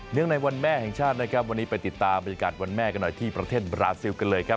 งในวันแม่แห่งชาตินะครับวันนี้ไปติดตามบรรยากาศวันแม่กันหน่อยที่ประเทศบราซิลกันเลยครับ